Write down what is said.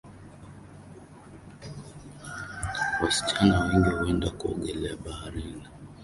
Wasichana wengi huenda kuogelea baharini